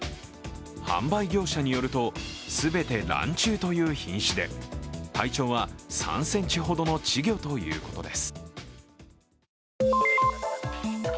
販売業者によると全てランチュウという品種で体長は３ｃｍほどの稚魚ということです。